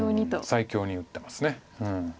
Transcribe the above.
最強に打ってます。